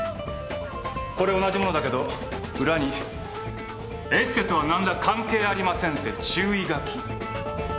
これ同じ物だけど裏に「エステとは何ら関係ありません」って注意書き。